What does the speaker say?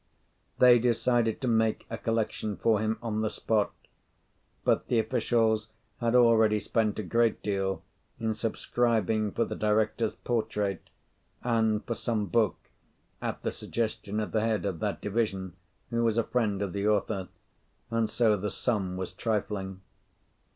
They decided to make a collection for him on the spot, but the officials had already spent a great deal in subscribing for the director's portrait, and for some book, at the suggestion of the head of that division, who was a friend of the author; and so the sum was trifling.